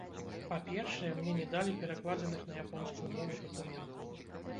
Па-першае, мне не далі перакладзеных на японскую мову дакументаў.